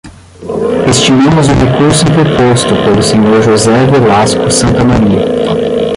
Estimamos o recurso interposto pelo senhor José Velasco Santamaría.